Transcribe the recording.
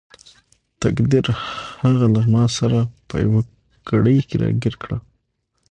تقدیر هغه له ماسره په یوه کړۍ کې راګیر کړ.